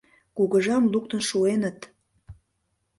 Кугыжам луктын шуэныт.